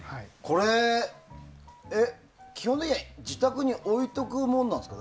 これ、基本的に自宅に置いておくものなんですか。